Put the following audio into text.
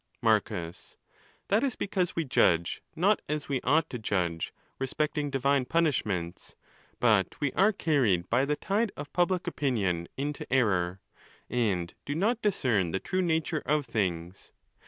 Marcus.—That is because we judge not as we ought to Judge, respecting divine punishments ; but we are carried by the tide of public opinion into error, and do not discern the true nature of things.